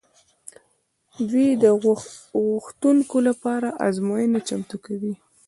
دوی د غوښتونکو لپاره ازموینه چمتو کوي.